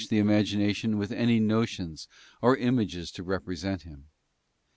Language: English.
the imagination with any notions or images to represent Him.